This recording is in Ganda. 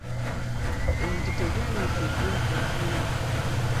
Ente tezaaliisiddwa eggulo.